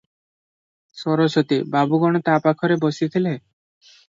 ସରସ୍ୱତୀ - ବାବୁ କଣ ତା ପାଖରେ ବସିଥିଲେ?